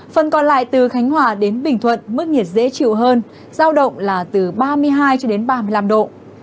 phần còn lại từ khánh hòa đến bình thuận mức nhiệt dễ chịu hơn giao động là từ ba mươi hai cho đến ba mươi năm độ